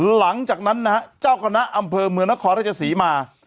หลังจากนั้นนะฮะเจ้าคณะอำเภอเมืองนครราชศรีมา